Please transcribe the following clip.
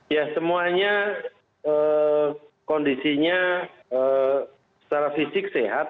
ya semuanya kondisinya secara fisik sehat